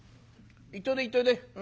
行っといで行っといで。